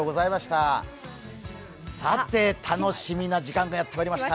さて楽しみな時間がやってまいりました。